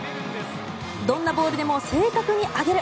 どんなボールでも正確に上げる。